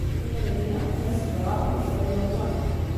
Imir-nni, Mass Brown yella yuḍen.